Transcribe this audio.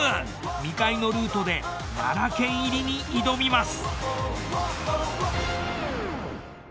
未開のルートで奈良県入りに挑みます。